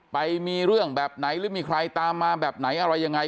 ไปมีเรื่องแบบไหนหรือมีใครตามมาแบบไหนอะไรยังไง